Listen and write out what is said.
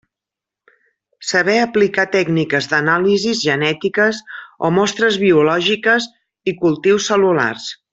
Saber aplicar tècniques d'anàlisis genètiques o mostres biològiques i cultius cel·lulars.